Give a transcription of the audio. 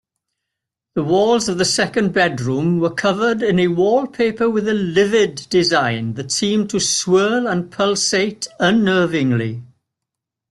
The walls of the second bedroom were covered in a wallpaper with a livid design that seemed to swirl and pulsate unnervingly.